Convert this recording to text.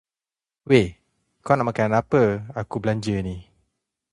Wei, kau nak makan apa aku belanja ni.